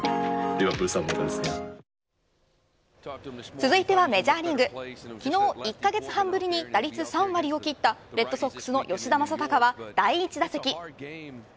続いてはメジャーリーグ昨日１カ月半ぶりに打率３割をきったレッドソックスの吉田正尚は第１打席。